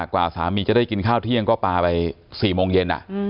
กว่าสามีจะได้กินข้าวเที่ยงก็ปลาไป๔โมงเย็น